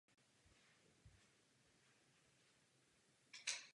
Snáší dobře teplotu.